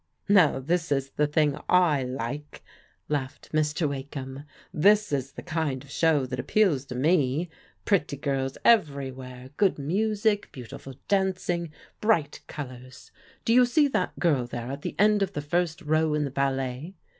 Now this IS the thing I like," laughed Mr. Wakeham. This is the kind of show that appeals to me ; pretty girls everywhere, good music, beautiful dancing, bright col ours. Do you see that girl there at the end of the first row in the ballet?